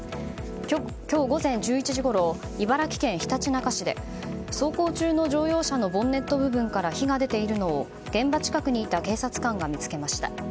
今日午前１１時ごろ茨城県ひたちなか市で走行中の乗用車のボンネット部分から火が出ているのを現場近くにいた警察官が見つけました。